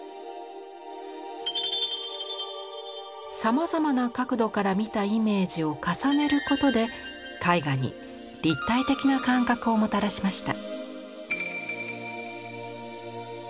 さまざまな角度から見たイメージを重ねることで絵画に立体的な感覚をもたらしました。